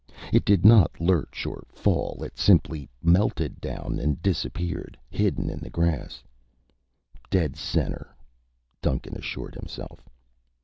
It did not lurch or fall; it simply melted down and disappeared, hidden in the grass. "Dead center," Duncan assured himself.